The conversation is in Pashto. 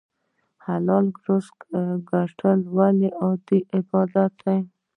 حلال رزق ګټل ولې عبادت دی؟